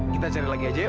kita cari lagi aja yuk